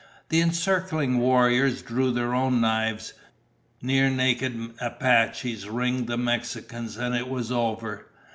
The encircling warriors drew their own knives. Near naked Apaches ringed the Mexicans and it was over.